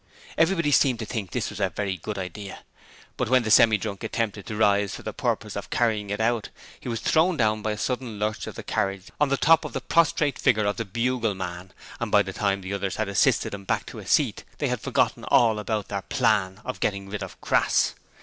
Everybody seemed to think this was a very good idea, but when the Semi drunk attempted to rise for the purpose of carrying it out, he was thrown down by a sudden lurch of the carriage on the top of the prostrate figure of the bugle man and by the time the others had assisted him back to his seat they had forgotten all about their plan of getting rid of Crass.